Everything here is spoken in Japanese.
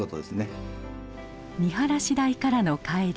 見晴らし台からの帰り